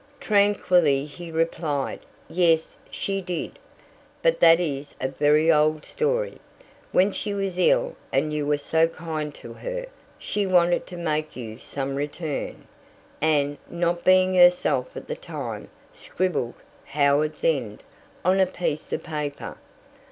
Tranquilly he replied: "Yes, she did. But that is a very old story. When she was ill and you were so kind to her she wanted to make you some return, and, not being herself at the time, scribbled 'Howards End' on a piece of paper.